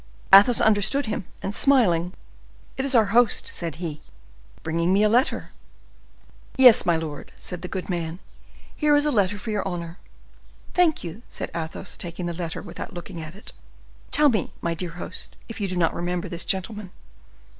Athos understood him, and, smiling,— "It is our host," said he, "bringing me a letter." "Yes, my lord," said the good man; "here is a letter for your honor." "Thank you," said Athos, taking the letter without looking at it. "Tell me, my dear host, if you do not remember this gentleman?"